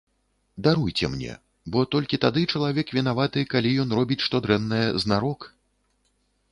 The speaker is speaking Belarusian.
Даруйце мне, бо толькі тады чалавек вінаваты, калі ён робіць што дрэннае знарок.